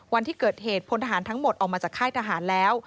วันที่เกิดเหตุพลทหารทั้งหมดออกมาจากค่ายทหารแล้ว